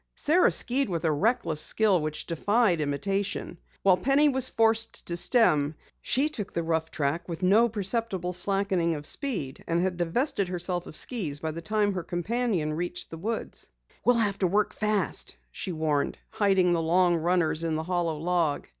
Sara skied with a reckless skill which defied imitation. While Penny was forced to stem, she took the rough track with no perceptible slackening of speed, and had divested herself of skis by the time her companion reached the woods. "We'll have to work fast," she warned, hiding the long runners in the hollow log.